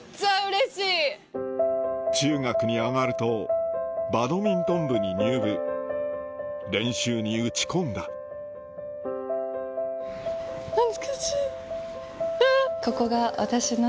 中学に上がるとバドミントン部に入部練習に打ち込んだ懐かしい。